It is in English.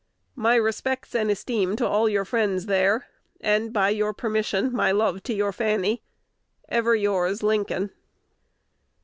My respects and esteem to all your friends there, and, by your permission, my love to your Fanny. Ever yours, Lincoln.